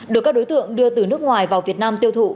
được các đối tượng đưa từ nước ngoài vào việt nam tiêu thụ